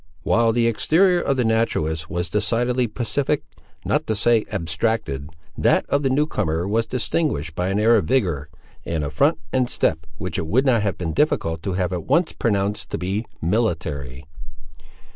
While the exterior of the naturalist was decidedly pacific, not to say abstracted, that of the new comer was distinguished by an air of vigour, and a front and step which it would not have been difficult to have at once pronounced to be military.